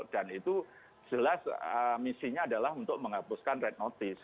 dan itu jelas misinya adalah untuk menghapuskan red notice